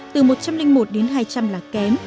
từ một trăm linh một đến hai trăm linh là kém